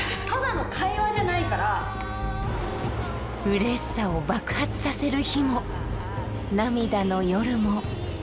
うれしさを爆発させる日も涙の夜も。